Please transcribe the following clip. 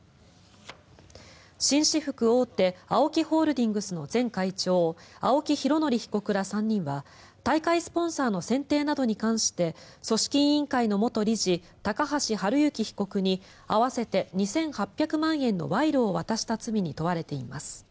紳士服大手ＡＯＫＩホールディングスの前会長、青木拡憲被告ら３人は大会スポンサーの選定などに関して組織委員会の元理事高橋治之被告に合わせて２８００万円の賄賂を渡した罪に問われています。